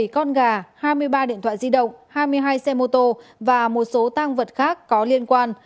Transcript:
bảy con gà hai mươi ba điện thoại di động hai mươi hai xe mô tô và một số tăng vật khác có liên quan